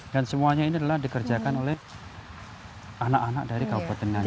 dan semuanya ini adalah dikerjakan oleh anak anak dari kabupaten nganjung